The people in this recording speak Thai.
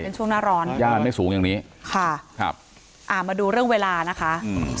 เป็นช่วงหน้าร้อนย่านไม่สูงอย่างนี้ค่ะครับอ่ามาดูเรื่องเวลานะคะอืม